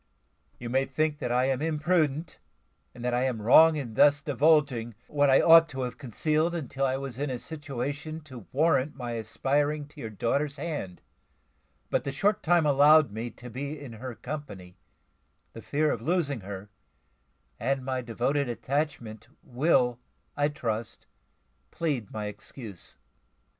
You may think that I am imprudent, and that I am wrong in thus divulging what I ought to have concealed, until I was in a situation to warrant my aspiring to your daughter's hand; but the short time allowed me to be in her company, the fear of losing her, and my devoted attachment, will, I trust, plead my excuse."